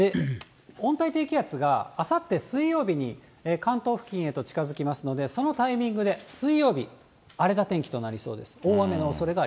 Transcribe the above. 温帯低気圧があさって水曜日に関東付近へと近づきますので、そのタイミングで水曜日、荒れた天気となりそうです。